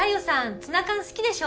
ツナ缶好きでしょ？